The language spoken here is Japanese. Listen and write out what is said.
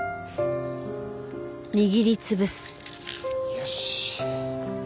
よし。